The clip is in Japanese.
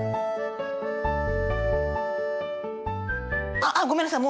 あっあっごめんなさい。